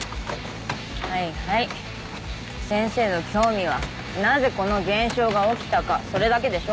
はいはい先生の興味はなぜこの現象が起きたかそれだけでしょ？